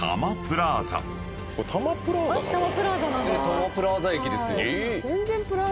たまプラーザ駅ですよ。